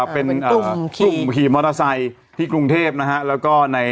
เป็นกลุ่มขี่มอเตอร์ไซค์ที่กรุงเทพนะฮะแล้วก็ใน